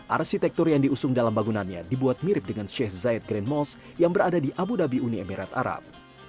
arsitektur yang diusung dalam bangunannya dibuat mirip dengan sheikh zaid grand mols yang berada di abu dhabi uni emirat arab